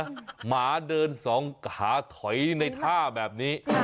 หมาเดินสองขาถอยในท่าแบบนี้